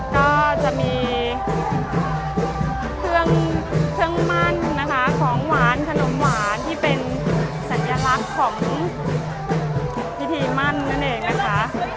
ก็จะมีเครื่องมั่นนะคะของหวานขนมหวานที่เป็นสัญลักษณ์ของพิธีมั่นนั่นเองนะคะ